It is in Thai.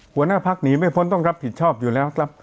หัวหน้าพักหนีไม่พ้นต้องรับผิดชอบอยู่แล้วครับ